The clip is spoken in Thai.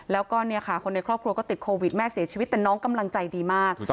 แล้วก็เนี่ยค่ะคนในครอบครัวก็ติดโควิดแม่เสียชีวิตแต่น้องกำลังใจดีมาก